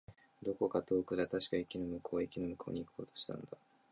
どこか遠くだ。確か、駅の向こう。駅の向こうに行こうとしたんだ。